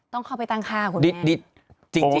ต้องเข้าไปตั้งค่าคุณแม่